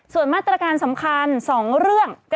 ส่วนมาตรการสำคัญ๒เรื่อง